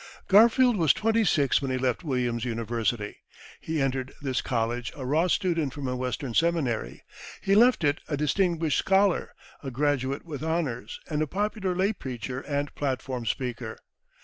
Garfield was twenty six when he left Williams' University. He entered this college a raw student from a Western seminary; he left it a distinguished scholar, a graduate with honours, and a popular lay preacher and platform speaker.